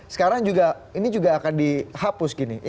sekarang ini juga akan dihapus gini